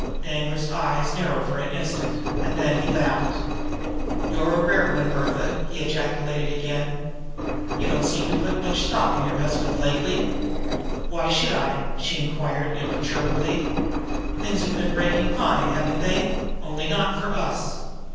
Danglar's eyes narrowed for an instant; and then he laughed. "You're a rare one, Bertha!" he ejaculated again. "You don't seem to put much stock in your husband lately." "Why should I?" she inquired imperturbably. "Things have been breaking fine, haven't they? only not for us!"